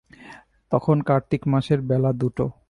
তখন কার্তিক মাসের বেলা দুটো।